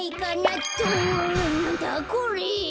おおなんだこれ？